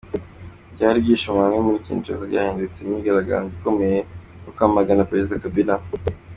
Ibyari ibyishimo hamwe muri Kinshasa byahindutse imyigaragambyo ikomeye yo kwamagana Perezida Kabila.